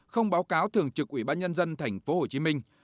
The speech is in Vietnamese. không báo cáo thường trực ủy ban nhân dân thành phố hồ chí minh